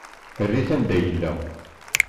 Err-it anda yella.